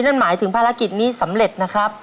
นั่นหมายถึงภารกิจนี้สำเร็จนะครับ